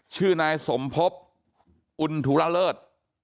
ชื่อนายสมพบอุณธุระเลิศ